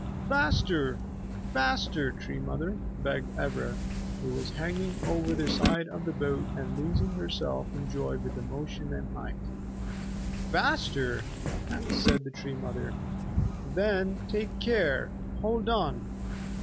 "Faster, faster, Tree Mother," begged Ivra, who was hanging over the side of the boat and losing herself in joy with the motion and height. "Faster?" said the Tree Mother. "Then take care! Hold on!"